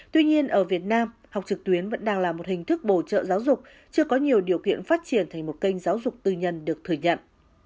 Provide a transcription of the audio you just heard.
tuy nhiên ở việt nam học trực tuyến vẫn đang là một hình thức bổ trợ giáo dục chưa có nhiều điều kiện phát triển thành một kênh giáo dục tư nhân được thừa nhận